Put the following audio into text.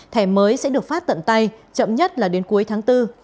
thẻ mới sẽ được phát tận tay chậm nhất là đến cuối tháng bốn